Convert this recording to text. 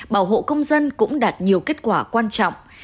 bảo hộ công dân cũng đạt nhiều kết quả quan trọng